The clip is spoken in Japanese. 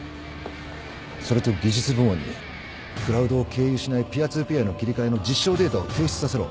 それと技術部門にクラウドを経由しないピア・ツー・ピアへの切り替えの実証データを提出させろ。